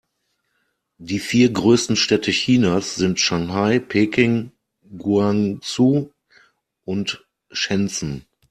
Die vier größten Städte Chinas sind Shanghai, Peking, Guangzhou und Shenzhen.